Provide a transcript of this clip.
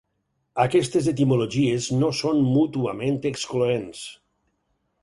Aquestes etimologies no són mútuament excloents.